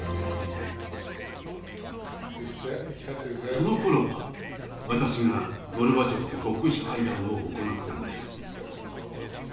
そのころ私がゴルバチョフと極秘会談を行ったんです。